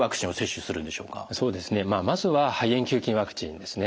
そうですねまずは肺炎球菌ワクチンですね。